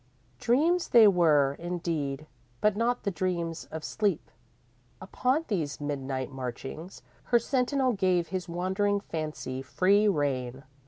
_ _Dreams they were, indeed, but not the dreams of sleep. Upon these midnight marchings, her sentinel gave his wandering fancy free rein.